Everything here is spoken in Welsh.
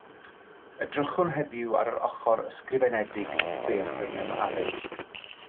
Edrychwn heddiw ar yr ochr ysgrifenedig theatr mewn addysg